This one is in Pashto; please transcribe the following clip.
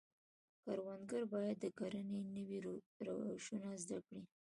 کروندګر باید د کرنې نوي روشونه زده کړي.